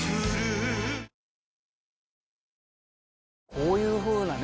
こういうふうなね